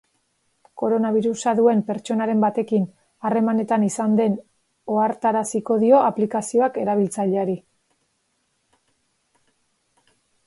Koronabirusa duen pertsonaren batekin harremanetan izan den ohartaraziko dio aplikazioak erabiltzaileari.